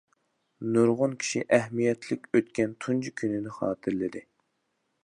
نۇرغۇن كىشى ئەھمىيەتلىك ئۆتكەن تۇنجى كۈنىنى خاتىرىلىدى.